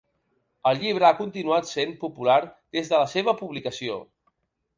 El llibre ha continuat sent popular des de la seva publicació.